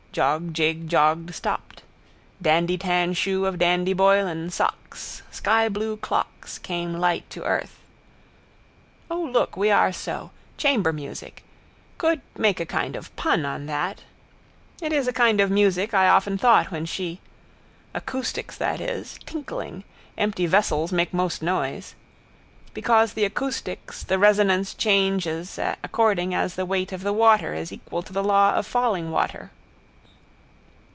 Jog jig jogged stopped. Dandy tan shoe of dandy Boylan socks skyblue clocks came light to earth. O, look we are so! Chamber music. Could make a kind of pun on that. It is a kind of music I often thought when she. Acoustics that is. Tinkling. Empty vessels make most noise. Because the acoustics, the resonance changes according as the weight of the water is equal to the law of falling water.